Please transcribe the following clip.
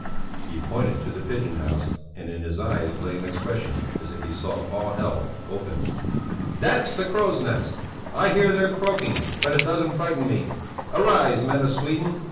He pointed to the pigeon house and in his eyes lay an expression as if he saw all hell open. "That's the crows' nest! I hear their croaking, but it doesn't frighten me! Arise, men of Sweden!